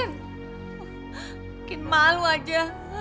mungkin malu aja